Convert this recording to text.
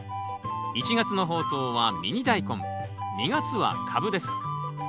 １月の放送は「ミニダイコン」２月は「カブ」です。